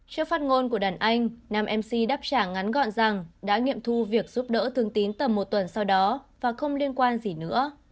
trước phát ngôn của đàn anh nam mc đáp trả ngắn gọn rằng đã nghiệm thu việc giúp đỡ thường tín tầm một tuần sau đó và không liên quan gì nữa